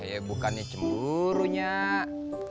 ya bukannya cemburu nyak